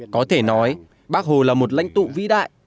có thể nói bác hồ là một lãnh tụ vĩ đại